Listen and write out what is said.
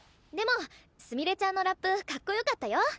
でもすみれちゃんのラップかっこよかったよ！